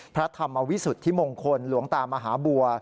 พระธรรมวิสุทธิมงคลหลวงตามหาบัว